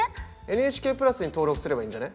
ＮＨＫプラスに登録すればいいんじゃね？